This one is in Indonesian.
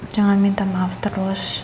jangan minta maaf terus